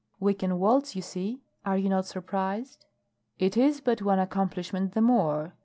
"We can waltz, you see! Are you not surprised?" "It is but one accomplishment the more.